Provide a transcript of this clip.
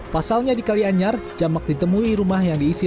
pasalnya di kalianyar jamak ditemui rumah yang diisi